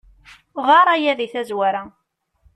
Ɣer aya di tazwara.